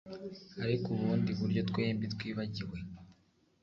Ariko ubundi buryo twembi twibagiwe